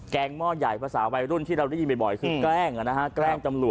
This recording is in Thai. แกงมอดใหญ่พลัสอาวัยรุ่นที่เรารู้ด้วยบ่อยซึ่งแกล้งกล้๒๐๕๐